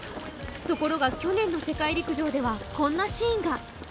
ところが去年の世界陸上ではこんなシーンが。